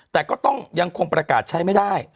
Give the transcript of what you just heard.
แต่ก็ต้องยังคงประกาศใช้ไม่ได้